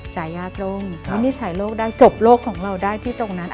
จ่ายยากโล่งวินิจฉัยโลกได้จบโลกของเราได้ที่ตรงนั้น